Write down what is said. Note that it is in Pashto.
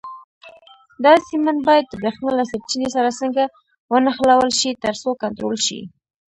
دا سیمان باید د برېښنا له سرچینې سره څنګه ونښلول شي ترڅو کنټرول شي.